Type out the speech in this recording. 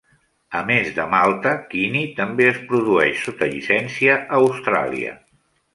A més de Malta, Kinnie també es produeix sota llicència a Austràlia.